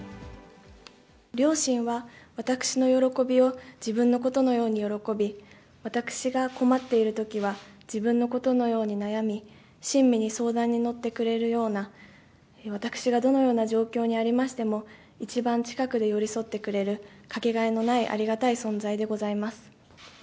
両親は私の喜びを自分のことのように喜び、私が困っているときは、自分のことのように悩み、親身に相談に乗ってくれるような、私がどのような状況にありましても、一番近くで寄り添ってくれる、掛けがえのないありがたい存在でございます。